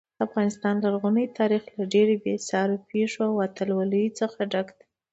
د افغانستان لرغونی تاریخ له ډېرو بې ساري پیښو او اتلولیو څخه ډک دی.